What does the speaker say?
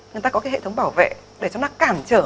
người ta có cái hệ thống bảo vệ để cho nó cản trở